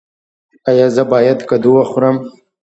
ایا زه باید کدو وخورم؟